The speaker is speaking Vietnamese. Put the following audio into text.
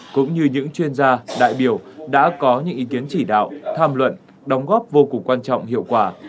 cũng như những chuyên gia đại biểu đã có những ý kiến chỉ đạo tham luận đóng góp vô cùng quan trọng hiệu quả